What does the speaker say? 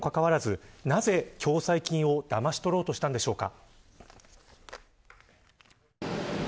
それにもかかわらず、なぜ共済金をだまし取ろうとしたのでしょうか。